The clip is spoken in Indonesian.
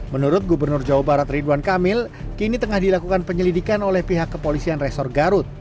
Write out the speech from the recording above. menurut gubernur jawa barat ridwan kamil kini tengah dilakukan penyelidikan oleh pihak kepolisian resor garut